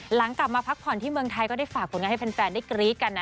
หลังกลับมาพักผ่อนที่เมืองไทยก็ได้ฝากผลงานให้แฟนได้กรี๊ดกันนะ